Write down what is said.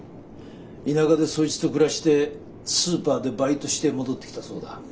田舎でそいつと暮らしてスーパーでバイトして戻ってきたそうだ。